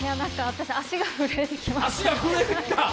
私、足が震えてきました。